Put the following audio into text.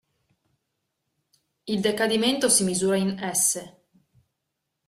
Il decadimento si misura in s.